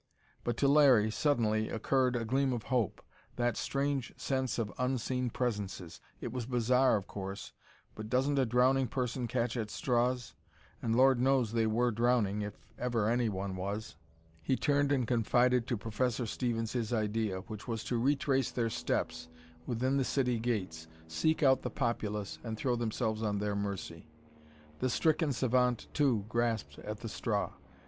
But to Larry, suddenly, occurred a gleam of hope. That strange sense of unseen presences! It was bizarre, of course, but doesn't a drowning person catch at straws? And Lord knows they were drowning, if ever anyone was! He turned and confided to Professor Stevens his idea, which was to retrace their steps within the city gates, seek out the populace and throw themselves on their mercy. The stricken savant, too, grasped at the straw.